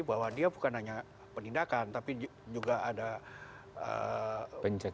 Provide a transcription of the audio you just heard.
bahwa dia bukan hanya penindakan saya setuju dengan pak yasin tadi bahwa dia bukan hanya penindakan